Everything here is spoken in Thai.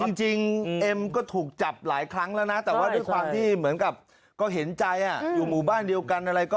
ระเจอว่าก็ถือจับหลายครั้งแล้วนะแต่ตามว่าปฏิการที่เหมือนกับก็เห็นใจอ่ะอยู่หมู่บ้านเดียวกันอะไร